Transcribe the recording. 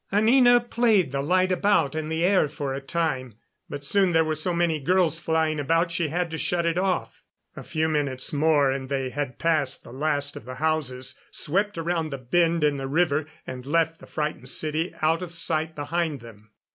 Anina played the light about in the air for a time, but soon there were so many girls flying about she had to shut it off. A few minutes more and they had passed the last of the houses, swept around the bend in the river, and left the frightened city out of sight behind them.